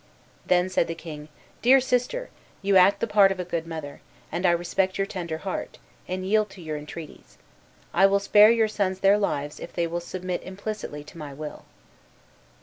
Then said the king, "Dear sister, you act the part of a good mother, and I respect your tender heart, and yield to your entreaties. I will spare your sons their lives if they submit implicitly to my will."